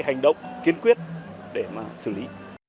hành động kiên quyết để mà xử lý